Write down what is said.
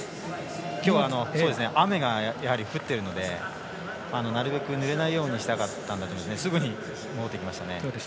きょうは雨がやはり降っているのでなるべくぬれないようにしたかったのかすぐに戻ってきました。